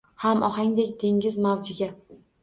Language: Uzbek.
Xamohangdek dengiz mavjiga